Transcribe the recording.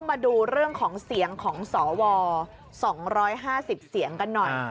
มาดูเรื่องของเสียงของสว๒๕๐เสียงกันหน่อย